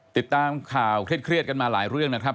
ติดตามข่าวเครียดกันมาหลายเรื่องนะครับ